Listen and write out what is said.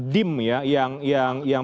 dim ya yang